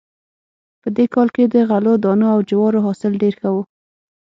په دې کال کې د غلو دانو او جوارو حاصل ډېر ښه و